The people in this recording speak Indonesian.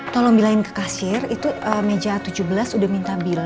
tolong bilain ke kasir itu meja tujuh belas udah minta bila